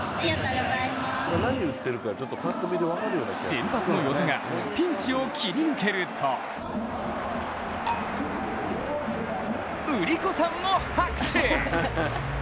先発の與座が、ピンチを切り抜けると売り子さんも拍手！